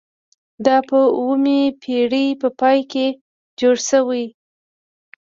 دا په اوومې پیړۍ په پای کې جوړ شوي.